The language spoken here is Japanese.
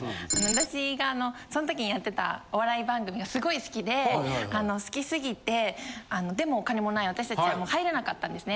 私があのその時にやってたお笑い番組がすごい好きであの好きすぎてでもお金もない私達は入れなかったんですね。